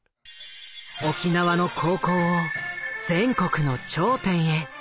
沖縄の高校を全国の頂点へ。